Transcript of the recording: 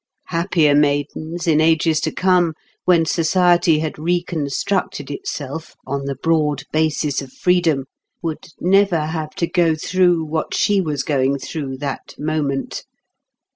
Happier maidens in ages to come, when society had reconstructed itself on the broad basis of freedom, would never have to go through what she was going through that moment.